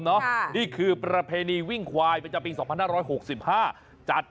นี่คือประเพณีวิ่งควายประจำปี๒๕๖๕จัด